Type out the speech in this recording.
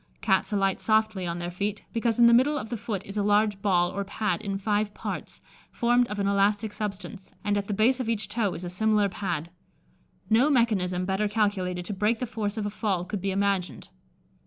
Cats alight softly on their feet, because in the middle of the foot is a large ball or pad in five parts, formed of an elastic substance, and at the base of each toe is a similar pad. No mechanism better calculated to break the force of a fall could be imagined.